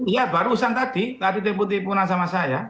ya barusan tadi tadi dipunang sama saya